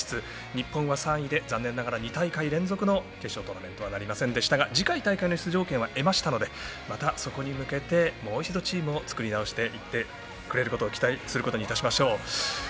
日本は３位で残念ながら２大会連続の決勝トーナメントはなりませんでしたが次回大会の出場権は得ましたのでまた、そこに向けてもう一度、チームを作り直していってくれることに期待しましょう。